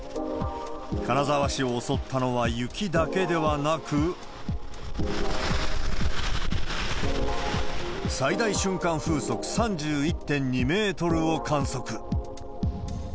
金沢市を襲ったのは雪だけではなく、最大瞬間風速３１．２メートルを観測。